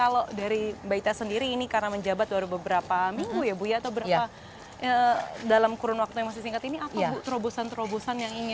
kalau dari mbak ita sendiri ini karena menjabat baru beberapa minggu ya bu ya atau berapa dalam kurun waktu yang masih singkat ini apa bu terobosan terobosan yang ingin